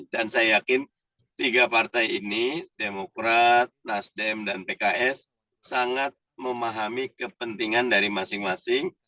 dan saya yakin tiga partai ini demokrat nasdem dan pks sangat memahami kepentingan dari masing masing